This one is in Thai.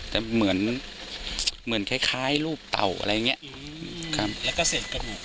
แต่เหมือนเหมือนคล้ายคล้ายรูปเต่าอะไรอย่างเงี้ยครับแล้วก็เศษกระดูก